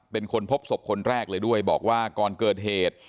เป็นคนพบศพคนแรกเลยด้วยบอกว่าก่อนเกิดเหตุ